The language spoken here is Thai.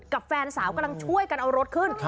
แฟนสาวกำลังช่วยกันเอารถขึ้น